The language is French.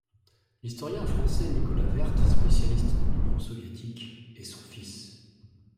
L'historien français Nicolas Werth, spécialiste de l'Union soviétique, est son fils.